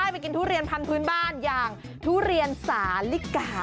ร้องใต้มากินทุเรียนพันธุ์พื้นบ้านอย่างทุเรียนสาฬิกา